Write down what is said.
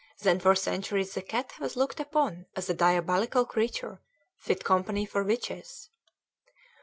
Then for centuries the cat was looked upon as a diabolic creature, fit company for witches.